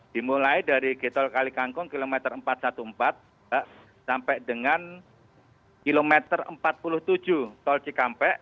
dimulai dari gtol kalikangkung km empat ratus empat belas sampai dengan km empat puluh tujuh gtol cikampek